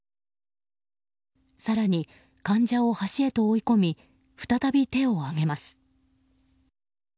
更に、患者を端へと追い込み再び手を上げます。